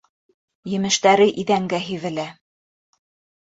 Емештәре иҙәнгә һибелә.